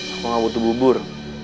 aku gak butuh bubur